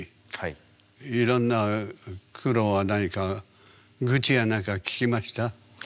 いろんな苦労は何か愚痴や何か聞きました？